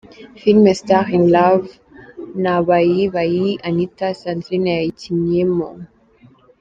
Filime Star In Love na Bayi Bayi Anita, Sandrine yakinnyemo.